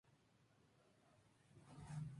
Furioso, Roy exige a Ed que le devuelva a Envy.